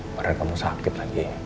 mereka mau sakit lagi